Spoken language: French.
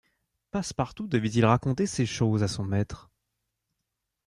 Passepartout devait-il raconter ces choses à son maître?